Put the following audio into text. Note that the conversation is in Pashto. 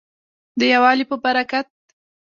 د یووالي په برکت.